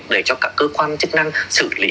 để cho các cơ quan chức năng xử lý